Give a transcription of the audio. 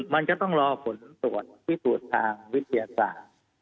มันก็ต้องรอผลตรวจพิสูจน์ทางวิทยาศาสตร์